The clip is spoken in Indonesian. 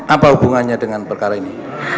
apa hubungannya dengan perkara ini